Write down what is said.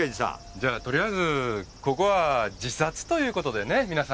じゃあとりあえずここは自殺という事でね皆さん。